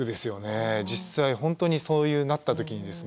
実際本当にそうなった時にですね。